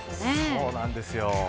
そうなんですよ。